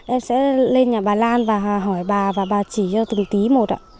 em sẽ lên nhà bà lan và hỏi bà và bà chỉ cho từng tý một ạ